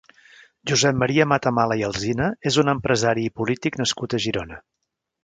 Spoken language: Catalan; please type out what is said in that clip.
Josep Maria Matamala i Alsina és un empresari i polític nascut a Girona.